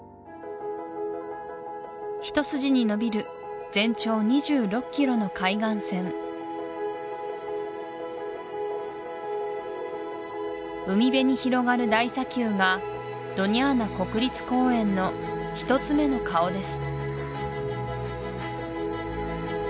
一筋にのびる全長２６ｋｍの海岸線海辺に広がる大砂丘がドニャーナ国立公園の１つ目の顔です